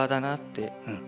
うん。